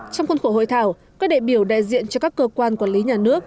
trong khuôn khổ hội thảo các đệ biểu đại diện cho các cơ quan quản lý nhà nước